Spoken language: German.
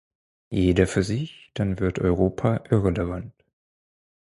Jeder für sich dann wird Europa irrelevant.